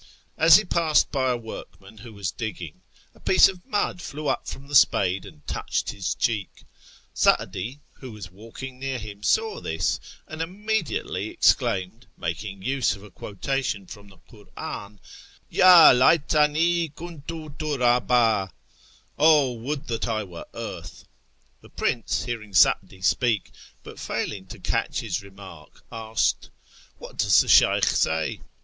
As he passed by a workman who was digging, a piece of mud flew up from the spade and touched I TEH ERA N 115 his cheek. Sa'di, who was Avalking near him, saw this, and immediately exclaimed, making use of a quotation from the Kur'an, " Y& laytani huntu turdhd !"(" 0 would that I were earth !"^) The prince, hearing Sa'di speak, but failing to catch his remark, asked, " What does the Sheykh say